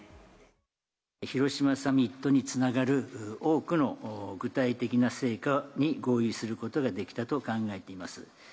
広島サミットにつながる、多くの具体的な成果に合意することができたと考えています。